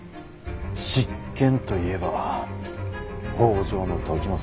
執権といえば北条時政。